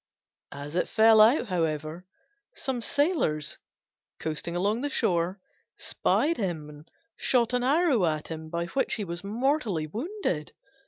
As it fell out, however, some sailors, coasting along the shore, spied him and shot an arrow at him, by which he was mortally wounded.